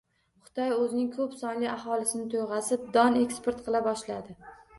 Xitoy o‘zining ko‘p sonli aholisini to‘yg‘azib, don eksport qila boshladi.